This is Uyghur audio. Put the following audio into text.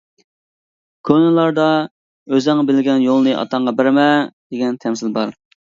كونىلاردا «ئۆزۈڭ بىلگەن يولنى ئاتاڭغا بەرمە» دېگەن تەمسىل بار.